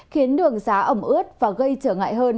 khiến đường giá ẩm ướt và gây trở ngại hơn